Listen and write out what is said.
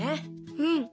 うん。